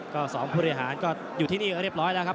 ก็สองผู้หรืออยหารก็อยู่ที่นี่เรียบร้อยนะครับ